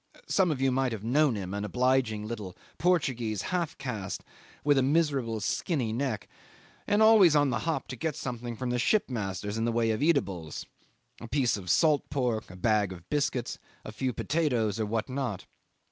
Some of you might have known him an obliging little Portuguese half caste with a miserably skinny neck, and always on the hop to get something from the shipmasters in the way of eatables a piece of salt pork, a bag of biscuits, a few potatoes, or what not.